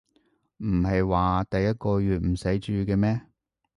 唔係話第一個月唔使住嘅咩